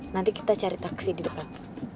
nanti kita cari taksi di depan